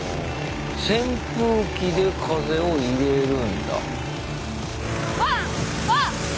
扇風機で風を入れるんだ。